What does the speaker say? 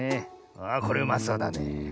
ああこれうまそうだねえ。